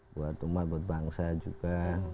buat umat buat bangsa juga